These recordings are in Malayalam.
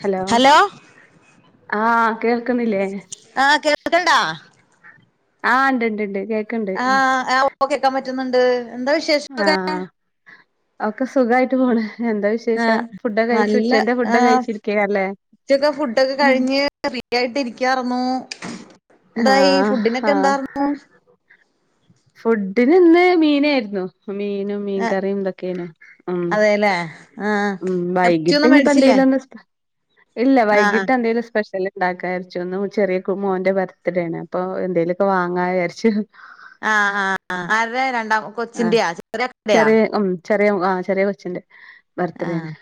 ഹലോ ആഹ് കേൾക്ക്ന്നില്ലേ ആഹ് കേൾക്കണ്ടാ ആഹ് ഇണ്ട്ണ്ട്ണ്ട് കേ ആഹ് ആ [unintelligible] കേകാപറ്റ്ന്ന്ണ്ട് എന്താവി ആഹ് ഒക്കെസുഖായിട്ട് പോണ് എന്താവി ശേഷം ആഹ് ഫുഡൊക്കെ കഴിച്ചു ഉച്ചേന്റെ ഫുഡൊക്കെ കഴിച്ചിരിക്ക അല്ലേ ച്ചൊത്തേ ഫുഡൊക്കെ കഴിഞ്ഞ് ഫ്രീ ആയിട്ട് ഇരിക്കാർന്നു ന്തായി ആഹ് ഫുഡിനൊക്കെ എന്താർന്നു ഫുഡിനിന്ന് മീനേരുന്നു മീനും ആ മീൻകറിയും ഇതൊക്കെനു ഉം അതെല്ലേ ആഹ് ഉം വൈകിട്ട് ഇറച്ചിയൊന്നും മേടിച്ചില്ലേ ഇഞ്ഞിപ്പന്തേലൊന്ന് ഇല്ല ആഹ് വൈകിട്ട് എന്തേലും സ്പെഷ്യല് ഉണ്ടാക്കാരിച്ചുന്നും ചെറിയകു മോന്റെ ബർത്ത്ഡേണ് അപ്പൊ എന്തേലൊക്കെ വാങ്ങാ വിചാരിച്ചു ആഹ് ആഹ് ആഹ് ആര രണ്ടാം ആഹ് കൊച്ചിന്റയോ ചെറ്യാ ചെക്കന്റെയൊ ചെറിയ ഉം ചെറിയ ആഹ് ചെറിയ കൊച്ചിന്റെ ബർത്ത്ഡേ ആണ് ആഹ്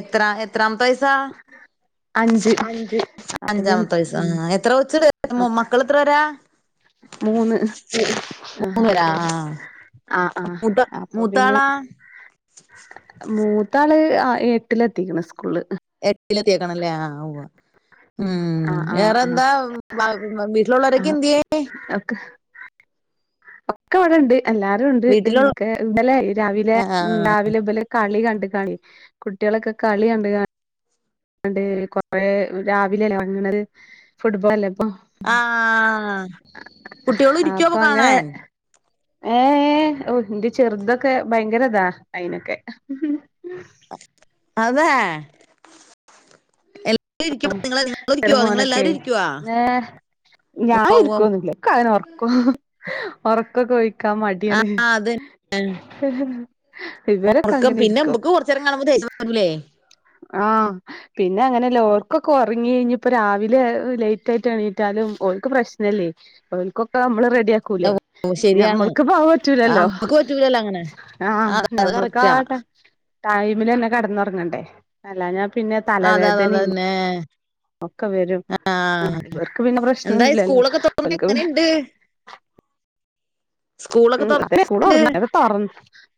എത്ര എത്രാമത്തെ വയസാ അഞ്ച് അപ്പൊ ഉം അഞ്ചാമത്തെവയസ് ആഹ് എത്രകൊച്ചണ്ട് അപ്പ മക്കളത്ര പേര മൂന്ന് ആഹ് മൂന്ന് പേരാ ആഹ് ആഹ് ആഹ് മൂത്ത അപ്പൊപിന്നെ മൂത്താളാ മൂത്താള് ആഹ് എട്ടിലെത്തിക്ക്ണ് സ്കൂൾള് ട്ടിലെത്തീക്ക്ണ്ല്ലേ ആഹ് ഉവ്വ് ഉം ആഹ് ആഹ് ആഹ് വേറെന്താ വ വീട്ടില്ള്ളോരെക്കെ എന്ത്യേ എക്ക് ഒക്കെവ്ടെണ്ട് എല്ലാരുംണ്ട് വീട്ടിലുള്ള ക്കെ ഇന്നലെയ്രാവിലെ ഉം രാവിലെ ബല് കളികണ്ട്കാണേ കുട്ട്യേളൊക്കെ കളികണ്ട്കാ കണ്ട് കൊറേരാവിലെലെ വൺങ്ങ്ണത് ഫുട്ബോളല്ലേപ്പൊ ആഹ് കുട്ട്യോള് രിക്ക്യോപകാണാൻ എഹ് ഏഹ് ഓഹ് ഇന്റെചെർതക്കെ ഭയങ്കരതാ അയ്നൊക്കെ അതെ എൽ ഇര്ക്യുമ്പ നിങ്ങളെ ചെറിയ ഇര്ക്ക്യോ നിങ്ങളല്ലാരു ഇര്ക്ക്യോ ഞാഇരിക്കൊന്നുല്ല ക്കങ്ങനെഒർ ക്കൊഹ് ഒറക്കൊക്കൊ ആ ഒഴിക്കാമട്യാണ് ഒർക്കം പിന്നെമ്പക്ക് കൊർച്ചേരം കാണുമ്പദേഷ്യംവരൂലേ ആഹ് പിന്നെഅങ്ങനെല്ല കോ ക്കൊ ക്കൊറങ്ങിയ്ഞ്ഞപ്പം രാവിലെ ലൈറ്റായിറ്റഎണീറ്റാലും ഓൽക്ക്പ്രശ്നല്ലേ ഓൽക്കൊക്കെ അമ്മള്റെഡിയാ കൂലെ ഓ ശരിയാണ് ഞമ്മൾക്ക്പോ അത് ആ പറ്റൂലല്ലോ നമുക്ക് പറ്റൂലല്ലോ അങ്ങനെ ആഹ് ആ ആഹ് അത് അത് കറക്റ്റാ ഞമ്മൾക്കാട്ടെ ടൈമിലെന്നേ കടന്നൊർങ്ങണ്ടേ അല്ലാഞ്ഞഞാ പിന്നെ തലവേദനിം ഏഹ് ഒക്കെവെരും ഇവർക്ക്പിന്നെ പ്രേശ്നോന്നുല്ല്യല്ലോ ഓൽക്ക്‌ പി എ സ്കൂളൊക്കെ ഉം തുറ അതനെ സ്കൂളൊർന്നാ [unintelligible] തൊർ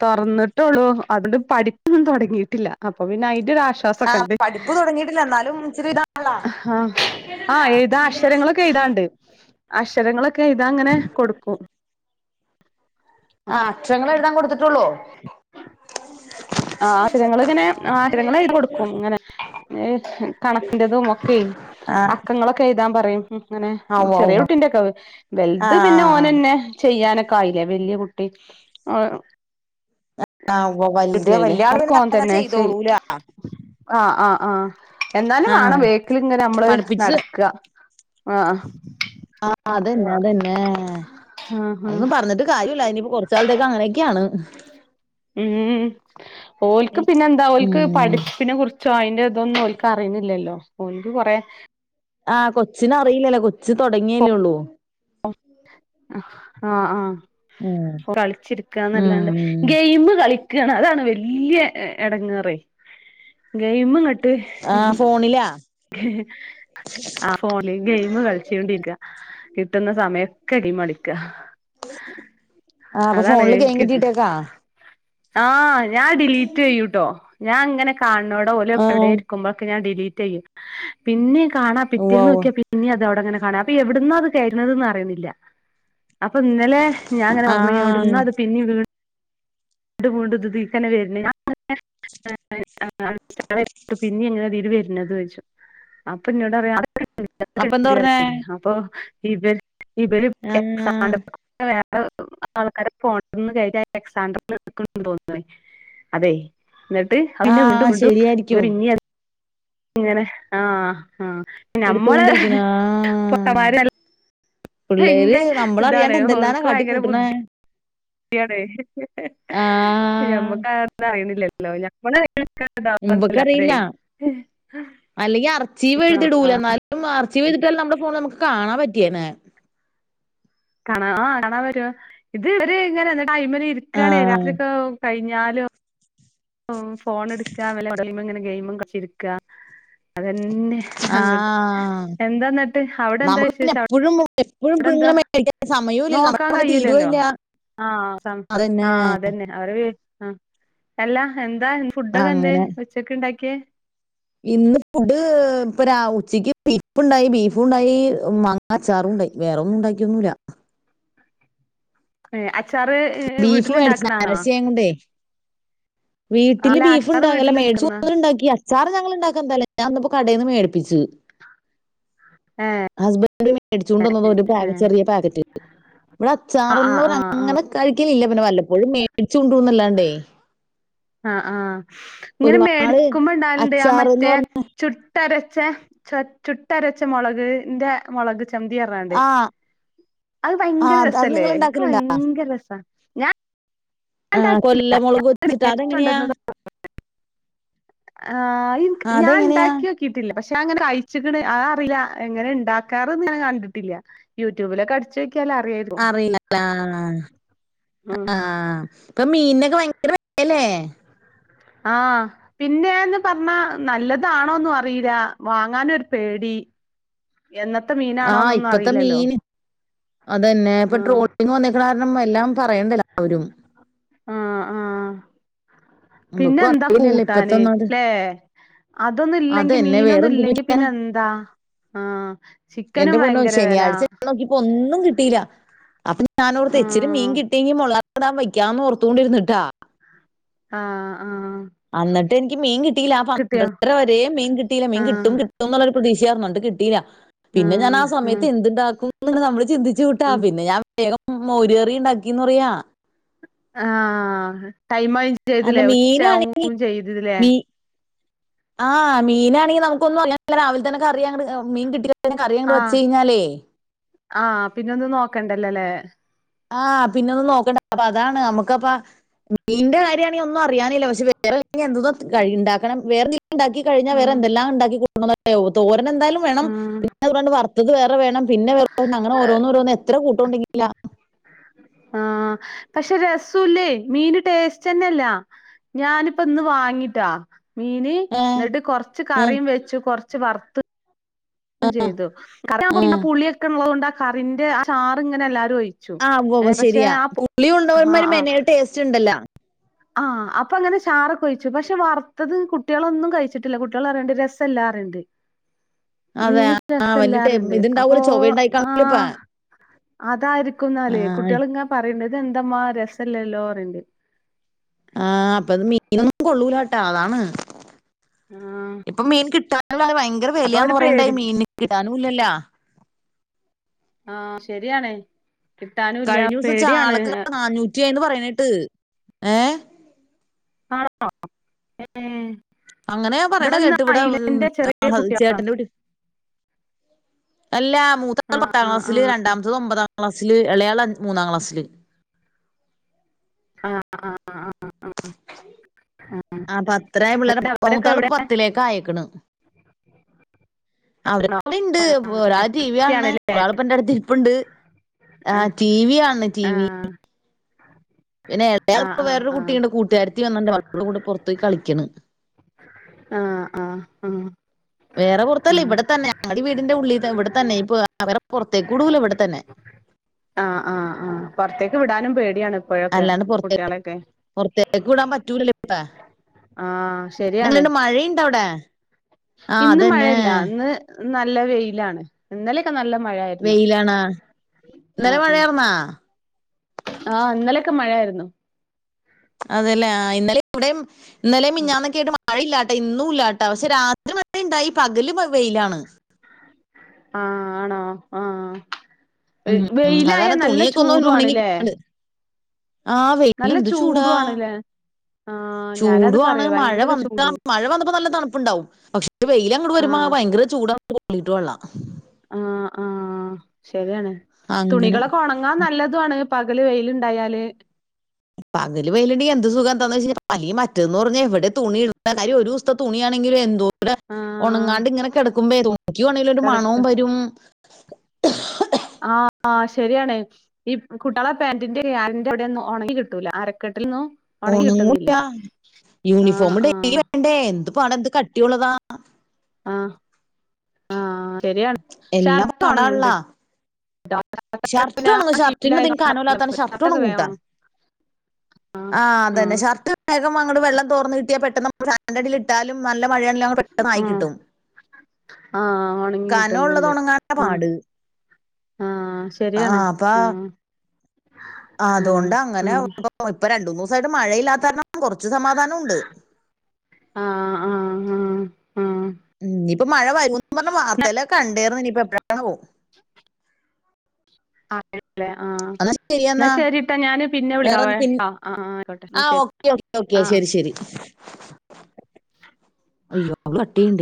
തൊർന്ന്ട്ടൊള്ളൂ അത്ണ്ട്പഠിപ്പും തൊടങ്ങീട്ടില്ല അപ്പൊ പിന്നെ ഐന്റെരാശ്വാസ് ആ സൊക്കണ്ട് പഠിപ്പ് തുടങ്ങിയിട്ടില്ല എന്നാലും ഇച്ചിരി ഇതാണല്ലോ ആഹ് ആഹ് എഴ്താ അക്ഷരങ്ങളൊക്കെഴ്താണ്ട് അഷരങ്ങളൊക്കെയ്താങ്ങനെ കൊട്ക്കും ആഹ് അക്ഷരങ്ങളെഴ്താൻ കൊട്ത്ത്ട്ടൊള്ളോ ആഹ് അക്ഷരങ്ങള്ങ്ങനെ ആഹ് അക്ഷരങ്ങള്ഴ്താകൊട്ക്കും ഇങ്ങനെ ഏഹ് കണക്കിന്റെതും ഒക്കെയ് ആ അക്കങ്ങളൊക്കെഎയ്താപറയും ഹും ങ്ങനെ ഉവ്വ് ചെറിയ ഉവ്വ് കുട്ടിന്റെക്കെ വെൽത് പിന്നെ ആഹ് ഓനന്നെ ചെയ്യാനൊക്കെ ആയിലേ വല്യകുട്ടി ആഹ് ആഹ് വ്വവൽത് കുട്ടിയായില്ലേ വല്യ ആള് പിന്നെ അതൊക്കെ ഓൻ തന്നെ ചെയ്യും തട്ടകചെയ്തോളൂലാ ആഹ് ആഹ് ആഹ് എന്നാലും വാണം ആഹ് വേക്ക്‌ല്ങ്ങനെ അംള് പഠിപ്പിച്ച് നടക്കാ ആഹ് ആഹ് അതന്നെ അതന്നെ ആഹ് അതൊന്നും പർഞ്ഞിട്ട് കാര്യുല്ല ഇനിപ്പോ കൊർച് കാൽത്തേക്ക് അങ്ങനെക്കെയാണ് ഉം ഓൽക്ക് പിന്നെ എന്താ ഓൽക്ക് ഉം പഠിപ്പിനെ കുറിച്ചോ അയ്ന്റെതൊന്നും ഓൽക്ക് അറിണില്ലല്ലോ. ഓൽക്ക് കൊറെ ആഹ് കൊച്ചിന് അറിയില്ലല്ലോ കൊച്ച് തൊടങ്ങിയല്ലേ ഉള്ളൂ ആഹ് ആഹ് ഉം കളിച്ചിര്ക്കാന്നല്ലാണ്ട് ഉം ഗെയിമ് കളിക്കാണ് അതാണ് വല്യ എ എടങ്ങേറേ ഗൈമ്ങ്ങട്ട് ആഹ് ഫോണിലാ [inaudible] ആഹ് ഫോണിൽ ഗെയിംമ് കളിച്ചൊണ്ടിരിക്ക കിട്ടുന്ന സമയൊക്കെ ഗെയിംമളിക്കാ ആഹ് അപ്പൊ അതാണ് ഫോണില് ഗെയിം കി കേറ്റിട്ടേക്കാ ആഹ് ഞാൻ ഡിലീറ്റെയ്യുട്ടോ ഞാൻ ഇങ്ങനെ കാൻണോടം ഓല് എവിടെ ആഹ് ഇരിക്കുമ്പക്കെ ഞാൻ ഡിലീറ്റെയ്യും പിന്നിം കാണാ ഉവ്വ പിറ്റേന്ന് ഉവ്വ നോക്കിയാ പിന്നിം അതവടെങ്ങനെ കാണാം അപ്പ എവ്ട്ന്നാ ഇത് കയറ്റ്ണത്ന്ന് അറിയുന്നില്ല അപ്പ ഇന്നലെ ഞാൻ ഇങ്ങനെ പറഞ്ഞ് ആഹ് ഇവ്ട്‌ന്നാ ഇത് പിന്നിം വീ- ണ്ടും വീണ്ടും ഇത് ഇതീക്കന്നെ വര്ണെ ഞാ [inaudible] പിന്നിം എങ്ങനെ ഇതീല് വര്ണത് ചോയ്ച്ചും അപ്പഞ്ഞോടറിയാ അപ്പൊ എന്താ പറഞ്ഞേ [unintelligible] അപ്പൊ ഇവല് ഇവല് ആഹ് എക്സണ്ടർകൂ വേറെ ആൾക്കാരെ ഫോൺന്ന് കയറ്റ എക്സണ്ടറിന്ന് [unintelligible] അതെ ഇന്നട്ട് പിന്നെ വീണ്ടും ആഹ് വീണ്ടും ശരിയായിരിക്കും ഇവര് ഇന്നിം ഇങ്ങനെ ആഹ് ആഹ് നമ്മള് എടുത്തുകൊണ്ടിരിക്കണ ആഹ് പൊട്ടന്മാര് അ പിള്ളേര് ഭയങ്കര ഇതാണ് നമ്മളറിയാണ്ട് എന്തെല്ലാനാ ഓൾക്ക് കാട്ടി ഭയങ്കര കൂട്ടണ ബുദ്ധിയാണ് ആഹ്. നമ്മക്കതത്ര അറിണ്ല്ലല്ലോ ഞമ്മള് ഇമ്പക്കറിയില്ല. [unintelligible] ആഹ് മാർച്ചീവ് ചെയ്തിട്ടാലും നമ്മുടെ ഫോൺ നമുക്ക് കാണാൻ പറ്റിയേനെ കാണാൻ കാണാൻ വരുവാ, ഇത് ഇവര് ഇങ്ങനെ ഇങ്ങട്ട് അയിമല് ഇര്ക്കാണെ ആഹ് രാത്രിയൊക്കെ കഴിഞ്ഞാലും ആഹ് ഫോണ് എടുക്കാ മൊബൈല്മ്മെ ഇങ്ങനെ ഗെയിമും കളിച്ച് ക്കാ അതന്നെ അങ്ങട്ട് ആഹ്, എന്താന്നിട്ട് അവിടെ എന്താ നമുക്ക് പിന്നെ വിശേഷം എപ്പഴും എപ്പഴും അവിടെ ഇങ്ങനെ എന്താ മേടിക്കാൻ സമയും ഇല്ലല്ലോ നമ്മുടെ നോക്കാൻ പണി തീരോം കഴിയൂലല്ലോ ഇല്ല ആഹ് അതാണ് ആഹ് അതന്നെ അവരെ ആഹ് അല്ലാ എന്താ ഫുഡൊക്കെ എന്തെ അങ്ങനെ ഉച്ചക്ക്ണ്ടാക്കിയേ ഇന്ന് ഫുഡ് ഇപ്പ രാവ് ഉച്ചയ്ക്ക് ബീഫ്ണ്ടായി ബീഫുണ്ടാ മ ങ്ങ അച്ചാറും ഉണ്ടായി വേറെന്നും ഇണ്ടാക്കിയൊന്നുല്ല. അച്ചാറ് ബീഫ് വീട്ടില് മേടിച്ച് ഇണ്ടാക്കണാണോ ഞായറാഴ്ച്ച ആയത് കൊണ്ടെ വീട്ടില് അല്ല ബീഫ് അച്ചാറ് ഇണ്ടാകേല്ല വീട്ടില് ഇണ്ടാക്കുന്ന മേടിച്ചോറ് ഇണ്ടാക്കി അ ച്ചാറ് ഞങ്ങള് ഇണ്ടാക്കനതല്ലാ ഞാൻ ഇന്ന്പ്പ കടേന്ന് മേടിപ്പിച്ച് ഹസ്ബൻഡ് മേടിച്ചോണ്ട് വന്നതോ ഒരു പാ ചെറിയ പാക്കറ്റ് ഇവടെ ആഹ് ആഹ് അച്ചാറൊന്നും ആഹ് അങ്ങനെ കഴിക്കലില്ല പിന്നെ വല്ലപ്പോഴും മേടിച്ചു കൊണ്ട് വന്നുല്ലാണ്ടേ ആഹ് ആഹ്, ഇങ്ങനെ ഒരുപാട് മേടിക്കുമ്പോ ഇണ്ടാവൽണ്ട് ആ അച്ചാർ എന്ന് മറ്റേ പറഞ്ഞ ചു ട്ടരച്ചെ ച ചുട്ടരച്ചെ മൊളക്ന്റെ മൊളക് ചമ്മന്തി പർഞ്ഞാണ്ട്. ആ അത് ആ, ഭയങ്കര അത് അത് രസല്ലേ നിങ്ങൾ ഇൻക്ക്‌ ഉണ്ടാക്കലുണ്ടാ ഭയങ്കര രസാ ഞാൻ ആ, ഇണ്ടാക്കലില്ല കൊല്ലമുളക് ഞാൻ വെച്ചിട്ട് മേടിച്ചു അതെങ്ങനെയാ കൊണ്ടന്നതോ [inaudible] ആഹ് ഇൻ ആ, ഞാൻ അതെങ്ങനെയാ ഇണ്ടാക്കിയൊ ക്കിട്ടില്ല, പക്ഷെ ഞാൻ ഇങ്ങനെ കഴിച്ച്ക്ക്ണ് അ അറില്ല എങ്ങനെ ഇണ്ടാക്കാറ്ന്ന് ഞാൻ കണ്ടിട്ടില്ല യൂട്യുബിലൊക്കെ അടിച്ചോക്യാല് അറിയേ അറിയില്ലാ ആഹ് ഉം ആഹ് ഇപ്പ മീൻനൊക്കെ ഭയങ്കര വെലയല്ലേ ആഹ് പിന്നെന്ന് പറഞ്ഞാ നല്ലതാണോന്നു അറീല്ല വാങ്ങാനൊരു പേടി എന്നത്തെ മീ ആഹ് ഇപ്പഴത്തെ മീന് അതന്നെ ഇപ്പൊ ആഹ് ട്രോളിങ്ങ് വന്നെ കാരണം എല്ലാം പറയണ്ടല്ലാവരും ആഹ് ആഹ് നമുക്കും പിന്നെന്താ അറിയില്ലല്ലോ ഇപ്പത്തെ കൂട്ടാന് ഒന്നാമത് ഇല്ലേ അതൊന്നും ഇല്ലെങ്കി അതന്നെ വേറെ മീനൊന്നും ഇല്ലെങ്കി എന്ത് പിന്നെ എന്താ? ആഹ് എന്റെ ചിക്കനും പൊന്നോ ഭയങ്കര വിലാ ശനിയാഴ്ച നോക്കിയപ്പോ ഒന്നും കിട്ടീല്ല അപ്പൊ ഞാനോർത്ത് ഇച്ചിരി മീൻ ആഹ് കിട്ടീങ്കി മോ വയ്ക്കാന്ന് ഓർത്തോണ്ടിരിന്നിട്ടാ ആഹ് ആഹ് അന്നിട്ട് എനിക്ക് മീൻ കിട്ടിയില്ലാ കിട്ടിയോ പന്ത്രടരവരേയും മീൻ കിട്ടീല്ല മീൻ ആഹ് കിട്ടും കിട്ടു കിട്ടൂന്നുള്ളൊരു പ്രതീഷയാർന്നു എന്നി‌ട്ട് കിട്ടീല്ല പിന്നെ ഞാനാ ആഹ് ആഹ് സമയത്ത് എന്ത് ഉണ്ടാക്കൂന്ന് നമ്മള് ചിന്തിച്ച കൂട്ട ഉം പിന്നെ ഞാൻ വേഗം മോര് കറി ഉണ്ടാക്കിന്ന് പറയാ ആഹ് ടൈം അല്ല ചെയ്തിലേ മീനാണ് ഉച്ചയാവും ചെയ്തിലേ ആഹ് മീനാണെങ്കിൽ നമ്മുക്കൊന്നും അറിയണ്ട രാവിലെ തന്നെ കറിയങ്ങട് മീൻ കിട്ടികഴിഞ്ഞ കറിയങ്ങട് ആഹ് വെച്ച്കഴിഞ്ഞാലെ ആഹ് പിന്നെ ഒന്നും നോക്കണ്ടല്ലല്ലേ ആഹ് പിന്നെ ഒന്നും നോക്കണ്ട അപ്പൊ അതാണ് നമ്മുക്കിപ്പ മീന്റെ കാര്യണാങ്കി ഒന്നും അറിയാനില്ല പക്ഷേ വേറെ എന്ത കഴ ഉണ്ടാക്കണം വേറെ ഇനീ ഉണ്ടാക്കി കഴിഞ്ഞാ വേറെ ഉം എന്തെല്ലാം ഉണ്ടാക്കി കൂട്ടണന്ന് അറിയോ തോരൻ എന്തായാലും വേണം ഉം [unintelligible] വറുത്തത് വേറെ വേണം പിന്നെ [unintelligible] അങ്ങന ഓരോന്നോരോന്ന് എത്ര കൂട്ടം ഉണ്ടെങ്കില ആഹ് പക്ഷെ രസോ ഇല്ലേ മീന് ടേസ്റ്റ്ന്നെല്ല ഞാനിപ്പ ഇന്ന് വാങ്ങിട്ടാ മീന് ഏ, എന്നിട്ട് കുറച്ച് ഏ, കറിയും വെച്ചു കുറച്ച് വറുത്ത് ചെയ്തു ഏ. പിന്നെ പുളിയൊക്കെ ഉള്ളത് കൊണ്ട് ആ കറിന്റെ ആ ചാർ ഇങ്ങനെ എല്ലാരും ഒഴി ആ ഉവ്വ് ഉവ്വ് പക്ഷെ ശരിയാ ആഹ് പുളി ആഹ് ഉണ്ടവന്മാര് ആഹ് മെനയ ടേസ്റ്റ് ഉണ്ടല്ല ആഹ് അപ്പൊ അങ്ങനെ ചാറൊക്കെ ഒഴിച്ചു പക്ഷെ വറുത്തത് കുട്ടികളൊന്നും കഴിച്ചിട്ടില്ല കുട്ടികൾ പറയണ്ട് രസ ഇല്ലാന്ന് പറയണ്ട് അതെ മീൻ ആ വലിയ ടേ- രസല്ലാണ്ട് അപ്പൊ ഇതുണ്ടാവൂല ചൊവ ഉണ്ടായിക്കാണല്ലോ ഇപ്പൊ ആഹ് ആ അതായിരിക്കുന്നാല് കുട്ടികളിങ്ങനെ പറയണ്ട് ഇതെന്താമ്മ രസ ഇല്ലല്ലോ പറയുണ്ട് ആഹ് അപ്പത് മീനൊന്നും കൊള്ളൂലാട്ടോ അതാണ് ആഹ് ഇപ്പൊ മീൻ കിട്ടാനുള്ള ഭയങ്കര അപ്പൊ ഒരു വിലയാന്ന് പറയേണ്ട് പേടി മീന് കിട്ടാനും ഇല്ലല്ല ആഹ് ശരിയാണ് കിട്ടാനും ഇല്ല പേടിയാണ് [unintelligible] ഏഹ് [unintelligible] അങ്ങനെ പറയണ ഇവിടെന്ന് കേട്ട് ഇവിട അയിലന്റെ ചെറിയ കുട്ടികളാ ചേട്ടന്റെ വീട്ട്ന്ന് അല്ലാ മൂത്താള് ആഹ് പത്താംക്ലാസില് രണ്ടാമത്തത് ഒമ്പതാ ക്ലാസ്സില് ഇളയാള് മൂന്നാം ക്ലാസ്സില് ആഹ് ആഹ് ആഹ് ആഹ് ആഹ് [unintelligible] പിള്ളേരെ അവരൊക്കെ മൂത്താള് എവിടെ പത്തിലേക്ക് ആയക്ക്ണ് അവരക്കെ ഇവിടിണ്ട് ഒരാൾ എസ് എൽ സി ടീവിക്കാണണ് ആണല്ലേ ഒരാളിപ്പെന്റെടുത്ത് ഇരിപ്പുണ്ട് ആഹ് റ്റീവി കാണണ് റ്റീവി ആഹ് പിന്നെ വേറെ ആഹ് വേറൊരു ആഹ് കുട്ടീണ്ട് കൂട്ടാരിത്തി വന്നിണ്ട് അവളടെ കൂടെ പുറത്ത് പോയി കളിക്കണ് ആഹ് ആഹ് വേറെ പുറത്തല്ല ആഹ് ഇവിടെത്തന്നെ വീടിന്റെ ഉള്ളിൽ തന്നെ ഇവിടെത്തന്നെ ഇപ്പ അവരെ പുറത്തേക്ക് വിടൂല ഇവിടെത്തന്നെ ആഹ് ആഹ് ആഹ് പുറത്തേക്ക് വിടാനും പേടിയാണ് ഇപ്പോഴൊക്കെ അല്ലാണ്ട് പുറത്തേക്ക് കുട്ടികളെയൊക്കെ പുറത്തേക്ക് വിടാൻ പറ്റൂലല്ലേ ഇപ്പാ ആഹ് ശരിയാണ് നിങ്ങളൾമ മഴയുണ്ടൊ അവിടെ? ആ ഇന്ന് അതന്നെ മഴയല്ല ഇന്ന് നല്ല വെയിലാണ് ഇന്നലെക്കെ നല്ല മഴ ആയിരുന്നു വെയിലാണ് ഇന്നലെ ആഹ് ആഹ് മഴയായിരുന്നാ ആഹ് ഇന്നലെക്കെ മഴയാരുന്നു അതെല്ലേ ആഹ് ഇന്നല ഇവിടേം ഇന്നലേം മിഞ്ഞാന്നൊക്കെയായിട്ട് മ മഴയില്ലാട്ട ഇന്നൂല്ലാട്ട പക്ഷെ രാത്രി മഴയുണ്ടായി പകല് വെ വെയിലാണ് ആഹ് ആണോ ആഹ് ഉം ഉം വെയിലായ അതാരണം നല്ല തുണിയൊക്ക ചൂടു ഒന്ന്‌ ഒണങ്ങി ആണ്ല്ലേ കിട്ടണ്ട് ആഹ് നല്ല വെയിലെന്ത് ചൂടാ ചൂടു ആണ്ല്ലേ ആഹ് ഞാനത് ചൂടുവാണ് പറയാ മഴ ഭയങ്കര വന്നിട്ടാ ചൂട് മഴ വന്നപ്പ നല്ല തണുപ്പുണ്ടാവും പക്ഷെ വെയിലങ്ങട് വരുമ്പ ആഹ് ഭയങ്കര ചൂടാ പൊള്ളിട്ടൊള്ളാം ആഹ് ആഹ് ശരിയാണ് അങ്ങനെ തുണികളൊക്കെ ഒണ ങ്ങാ നല്ലതുവാണ് പകല് വെയിലു ണ്ടായാല് പകല് വെയിലുണ്ടെങ്കി എന്ത് സുഖാന്താന്ന്‌ വെച്ച് അല്ലീ മറ്റേതന്ന് പറഞ്ഞാ എവിടെ തുണീടണ്ടകാര്യ ഒരു ദിവസത്തെ തുണി യാണെങ്കിലും എന്തോ വിടെ ആഹ് ഉണങ്ങാണ്ട് ഇങ്ങനെ കിടക്കുമ്പോ ഇതുക്കിയൊണൊലു മണവും കെടക്ക വരും ആഹ് ആഹ് ശരിയാണ് ഈ കുട്ട്യള പാാന്റിന്റെ അരന്റെ വിടെന്നും ഒണങ്ങി കിട്ടൂല അരക്കെട്ടിൽന്നു ഒണങ്ങൂല്ല ആഹ് യൂണിഫോമ് ആഹ് ഡെയ്‌ലി വേണ്ടേ എന്ത് പാടാ എന്ത് കട്ടിയുള്ളതാ ആഹ് ആഹ് ശരിയാണ് എല്ലാം ഷർട്ട് ഒണങ്ങ്ണ്ട് പടാള്ളാ ട്ടോ ഷർട്ടൊണങ്ങും ആ ഷർട്ടിനധികം ശീലായതോണ്ട് കനവില്ലാത്തോണ്ട് ഷർട്ടൊക്കെ വേം ഷർട്ടൊണങ്ങൂട്ടാ ഒണങ്ങും ആഹ് അത്‌തന്നെ ഷർട്ട് വേഗം അങ്ങട് വെള്ളം തോർന്ന് കിട്ടിയാ പെട്ടന്നമ്മക്ക് ഫാനിന്റടീലിട്ട് ട്ടാലും നല്ല മഴയാണല്ലും അങ്ങ് പെട്ടെന്ന് ആഹ് ആയിക്കിട്ടും ആഹ് ഒണങ്ങി കിട്ടുന്നുണ്ട് കനൊള്ളതൊണങ്ങാനാ ആഹ് പാട് ആഹ് ശരിയാണ് ആഹ് ആഹ് ആതുകൊണ്ട് അങ്ങനെ ആഹ് ഇപ്പ രണ്ടൂന്ന് ദിവസായിട്ട് മഴയില്ലാത്താരണം കൊ റച്ച് സമാധാനുണ്ട് ആഹ് ആഹ് ആഹ് ആഹ് ഉം ഇനിപ്പമഴ വരൂന്ന് പറഞ്ഞ് ന്നാ വാർത്തയിലെ കണ്ടേർന്ന്‌ ഇനിയിപ്പ എപ്പഴാണാവോ ഇടല്ലെ ആഹ് എന്നാ ശരിയെന്നാ എന്നാശരി ട്ടൊ ഞാന് പിന്നെ വിളിക്കാവേ ആഹ് ആഹ് ആയിക്കോട്ടെ ന്നാ ശരി ങ്കി ഓക്കെ ഓക്കേ ആഹ് ശരി ശരി അയ്യോ അവള് കട്ട് ചെയ്യണ്ടേ